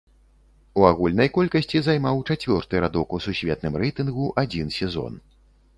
У агульнай колькасці займаў чацвёрты радок у сусветным рэйтынгу адзін сезон.